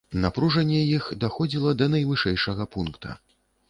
Напружанне іх даходзіла да найвышэйшага пункта.